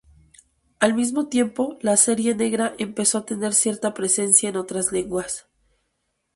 Al mismo tiempo, la serie negra empezó a tener cierta presencia en otras lenguas.